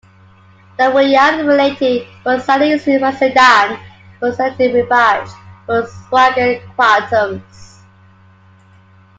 The Royale and the related Ford Versailles sedan were essentially rebadged Volkswagen Quantums.